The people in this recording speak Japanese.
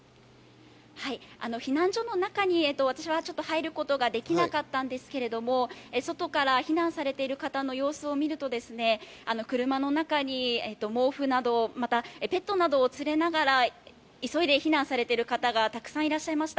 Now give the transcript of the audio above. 避難所の中に私はちょっと入ることができなかったんですけど、外から避難されてる方の様子を見ると車の中に毛布などまたはペットなどを連れながら急いで非難されてる方がたくさんいらっしゃいました。